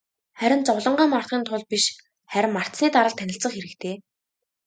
Харин зовлонгоо мартахын тулд биш, харин мартсаны дараа л танилцах хэрэгтэй.